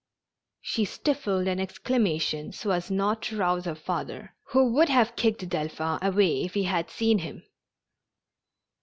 She stifled an exclamation so as not to rouse her father, who would have kicked Delphin away if he had seen him.